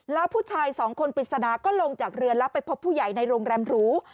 แล้วผู้ชายสองคนปริศนาก็ลงจากเรือแล้วไปพบผู้ใหญ่ในโรงแรมหรู